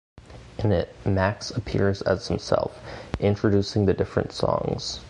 In it, Max appears as himself, introducing the different songs.